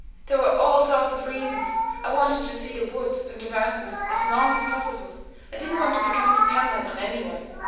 There were all sorts of reasons. I wanted to see the woods and mountains as long as possible. I didn't want to become dependent on any one.